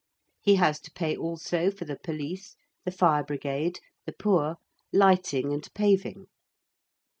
He has to pay also for the Police, the Fire Brigade, the Poor, lighting and paving.